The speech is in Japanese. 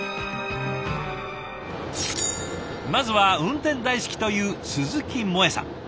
まずは運転大好きという鈴木萌永さん。